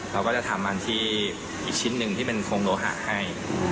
เราก็จะถามมันที่อีกชิ้นหนึ่งที่เป็นโครงโลหะให้